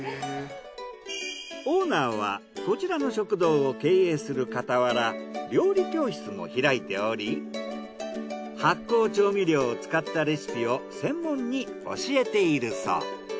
オーナーはこちらの食堂を経営するかたわら料理教室も開いており発酵調味料を使ったレシピを専門に教えているそう。